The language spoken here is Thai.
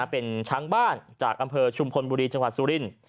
เป็นช้างบ้านจากอำเภอชุมพลบุรีจังหวัดสุรินทร์